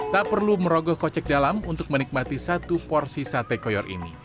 tak perlu merogoh kocek dalam untuk menikmati satu porsi sate koyor ini